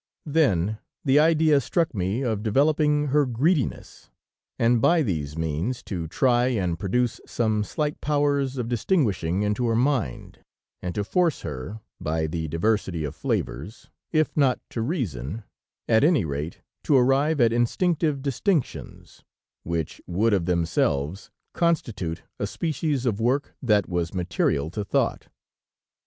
Then, the idea struck me of developing her greediness, and by these means to try and produce some slight powers of distinguishing into her mind, and to force her, by the diversity of flavors, if not to reason, at any rate to arrive at instinctive distinctions, which would of themselves constitute a species of work that was material to thought.